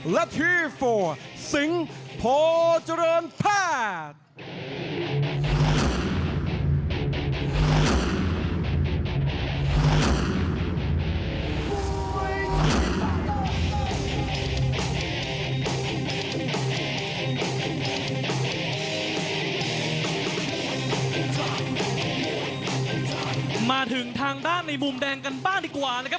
มาถึงทางด้านในมุมแดงกันบ้างดีกว่านะครับ